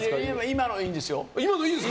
今のいいですよ。